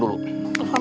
dia berani berani